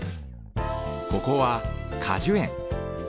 ここは果樹園。